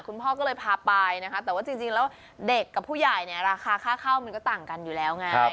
คุณพ่อก็เลยพาไปนะคะแต่ว่าจริงแล้วเด็กกับผู้ใหญ่เนี่ยราคาค่าเข้ามันก็ต่างกันอยู่แล้วไง